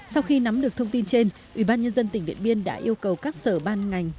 sau khi nắm được thông tin trên ủy ban nhân dân tỉnh điện biên đã yêu cầu các sở ban ngành